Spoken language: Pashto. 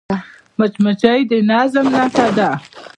مچمچۍ د نظم نښه ده